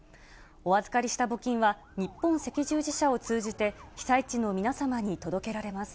お預かりした募金は、日本赤十字社を通じて被災地の皆様に届けられます。